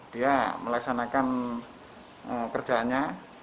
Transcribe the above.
dia melaksanakan kerjaannya